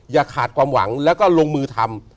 อย่าขาดความหวังแล้วก็ลงมือทำ